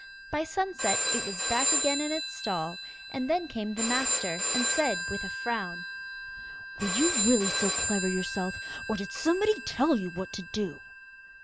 By sunset, it was back again in its stall, and then came the master and said, with a frown, 'Were you really so clever yourself, or did somebody tell you what to do?